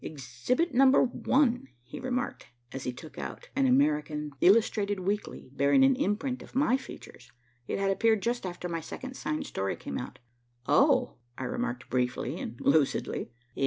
"Exhibit Number one," he remarked as he took out an American illustrated weekly bearing an imprint of my features. It had appeared just after my second signed story came out. "Oh," I remarked briefly and lucidly.